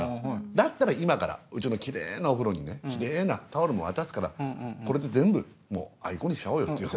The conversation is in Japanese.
だったら今から家のキレイなお風呂にねキレイなタオルも渡すからこれで全部もうあいこにしちゃおうよっていう話。